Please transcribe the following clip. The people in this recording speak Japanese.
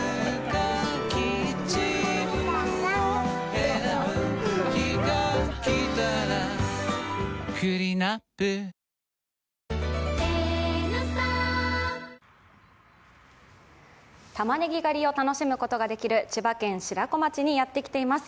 選ぶ日がきたらクリナップ玉ねぎ狩りを楽しむことができる千葉県白子町にやってきています。